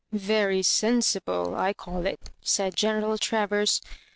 " Very sensible I call it," said General Tra ▼ers.